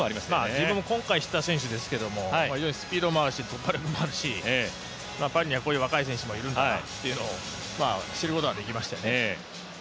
自分も今回知った選手ですけど、非常にスピードもあるし突破力もあるしパリにはこういう若い選手がいるんだなということが知ることができましたよね。